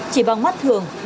chỉ bằng mắt thường